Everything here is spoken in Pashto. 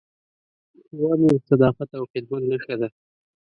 هیواد مې د صداقت او خدمت نښه ده